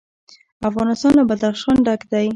افغانستان له بدخشان ډک دی.